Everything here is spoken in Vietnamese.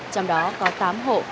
trong đó có tám hộ